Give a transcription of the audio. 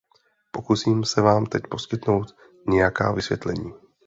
Pokusím se vám teď poskytnout nějaká vysvětlení.